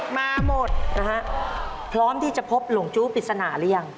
มาหมดนะฮะพร้อมที่จะพบหลงจู้ปริศนาหรือยัง